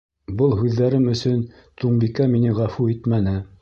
Был һүҙҙәрем өсөн Туңбикә мине ғәфү итмәне.